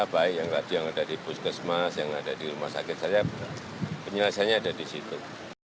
baik yang tadi yang ada di puskesmas yang ada di rumah sakit saja penyelesaiannya ada di situ